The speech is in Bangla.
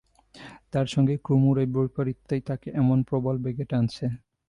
তার সঙ্গে কুমুর এই বৈপরীত্যই তাকে এমন প্রবল বেগে টানছে।